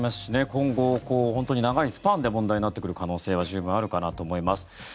今後長いスパンで問題になってくる可能性は十分あるかなと思います。